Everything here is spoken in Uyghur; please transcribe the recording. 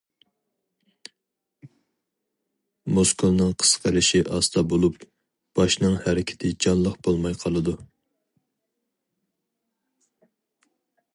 مۇسكۇلنىڭ قىسقىرىشى ئاستا بولۇپ، باشنىڭ ھەرىكىتى جانلىق بولماي قالىدۇ.